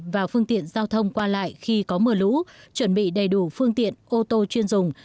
và phương tiện giao thông qua lại khi có mưa lũ chuẩn bị đầy đủ phương tiện ô tô chuyên dùng